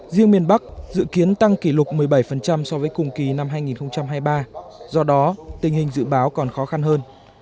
riêng miền bắc dự kiến tăng kỷ lục một mươi bảy so với cùng kỳ năm hai nghìn hai mươi ba do đó tình hình dự báo còn khó khăn hơn